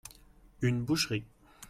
une boucherie.